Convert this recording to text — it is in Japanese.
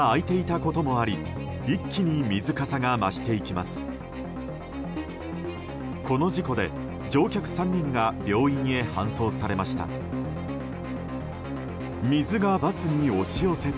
この事故で、乗客３人が病院へ搬送されました。